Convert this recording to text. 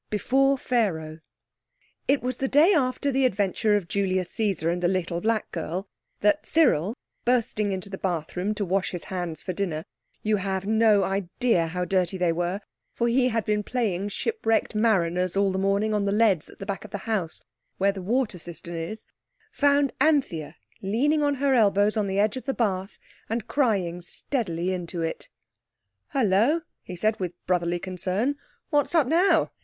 BEFORE PHARAOH It was the day after the adventure of Julius Caesar and the Little Black Girl that Cyril, bursting into the bathroom to wash his hands for dinner (you have no idea how dirty they were, for he had been playing shipwrecked mariners all the morning on the leads at the back of the house, where the water cistern is), found Anthea leaning her elbows on the edge of the bath, and crying steadily into it. "Hullo!" he said, with brotherly concern, "what's up now?